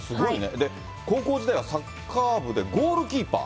で、高校時代はサッカー部でゴールキーパー？